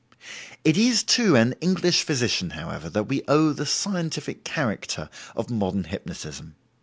It is to an English physician, however, that we owe the scientific character of modern hypnotism.